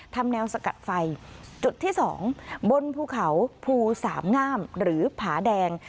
ทำแนวสกัดไฟจุดที่๒บนภูเขาภูสามงามหรือผาแดง